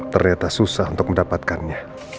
ternyata susah untuk mendapatkannya